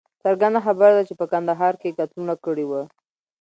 څرګنده خبره ده چې په کندهار کې یې قتلونه کړي وه.